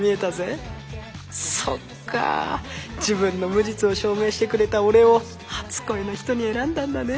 そっかあ自分の無実を証明してくれた俺を初恋の人に選んだんだね